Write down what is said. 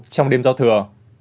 trong đêm giao thừa